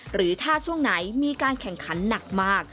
หรือถ้าช่วงไหนมีการแข่งขันหนักมาก